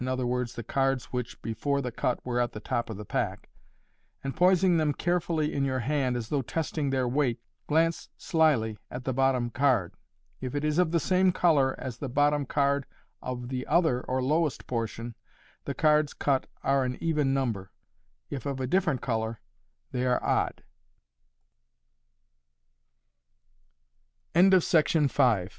e., the cards which before the cut were at the top of the pack), and poising them carefully in your hand, as though testing their weight, glance slily at the bottom card. If it is of the same colour as the bottom card of the other or lowest portion, the cards cut are an even number * if of a different colour, they are odd. The Whi